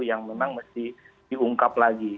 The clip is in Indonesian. yang memang mesti diungkap lagi